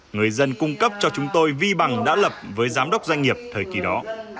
người dân cung cấp cho chúng tôi vi bằng đã lập với giám đốc doanh nghiệp thời kỳ đó